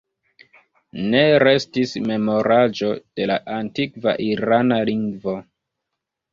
Ne restis memoraĵo de la antikva irana lingvo.